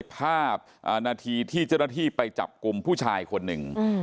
ภาพนาทีที่เจ้าหน้าที่ไปจับกลุ่มผู้ชายคนหนึ่ง